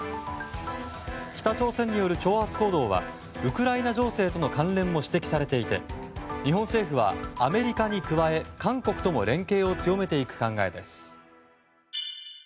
北朝鮮による挑発行動はウクライナ情勢との関連も指摘されていて日本政府は、アメリカに加え韓国とも連携を強めていく考えです。